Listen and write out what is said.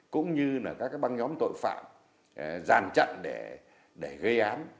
cũng như là các băng nhóm tội phạm giàn trận để gây án